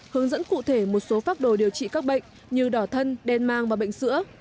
hướng dẫn cụ thể một số phác đồ điều trị các bệnh như đỏ thân đen mang và bệnh sữa